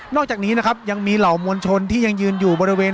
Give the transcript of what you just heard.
อกจากนี้นะครับยังมีเหล่ามวลชนที่ยังยืนอยู่บริเวณ